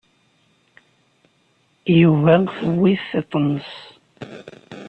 Yuba tewwi-t tiṭ-nnes.